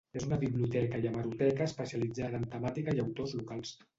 És una biblioteca i hemeroteca especialitzada en temàtica i autors locals.